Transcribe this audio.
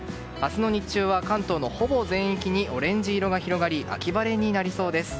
明日の日中は関東のほぼ全域にオレンジ色が広がり秋晴れになりそうです。